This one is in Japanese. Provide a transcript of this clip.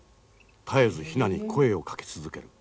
絶えずヒナに声をかけ続ける。